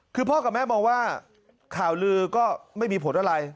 คือพ่อกับแม่มองว่าข่าวลือก็ไม่มีผลอะไร